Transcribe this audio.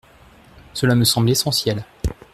Cela me semble essentiel.